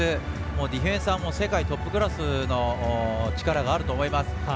ディフェンスは世界トップクラスの力があると思います。